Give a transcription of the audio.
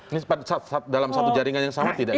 ini dalam satu jaringan yang sama tidak kira kira